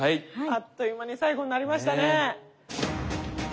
あっという間に最後になりましたね。